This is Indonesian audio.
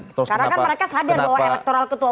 karena kan mereka sadar bahwa elektoral ketua umumnya itu